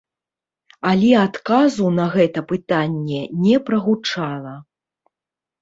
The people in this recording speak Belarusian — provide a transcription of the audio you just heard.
Але адказу на гэта пытанне не прагучала.